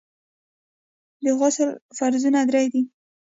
د غسل فرضونه درې دي.